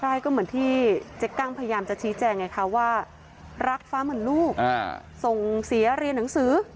ได้ก็เหมือนที่เจ๊กั้งพยายามจะชี้แจงไงคะว่ารักฟ้าเหมือนลูกส่งเสียเรียนหนังสือ